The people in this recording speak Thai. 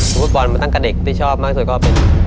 คุณผู้ปลอดมาตั้งกับเด็กที่ชอบมากสุดก็เป็น